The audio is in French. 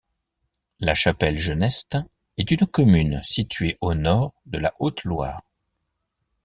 La Chapelle-Geneste est une commune située au nord de la Haute-Loire.